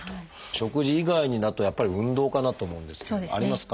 食事以外になるとやっぱり運動かなと思うんですけどありますか？